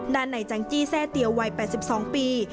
ด้านไหนจังจี้แทร่เตียววัย๘๒ปี